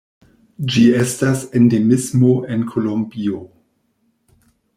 Ĝi estas endemismo en Kolombio.